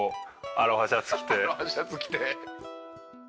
アロハシャツ着て。